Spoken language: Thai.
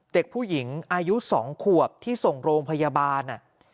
เด็กผู้หญิงอายุ๒ขวบที่ส่งโรงพยาบาล